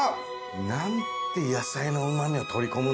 何て野菜のうま味を取り込むんだ。